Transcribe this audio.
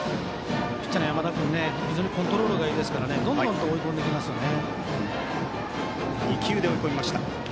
ピッチャーの山田君はコントロールがいいですからどんどん追い込んできますよね。